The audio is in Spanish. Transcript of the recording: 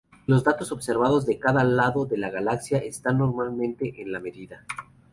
Los datos observados de cada lado de la galaxia están normalmente en la media.